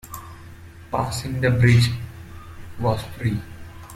Passing the bridge was free.